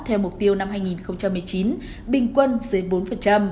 theo mục tiêu năm hai nghìn một mươi chín bình quân dưới bốn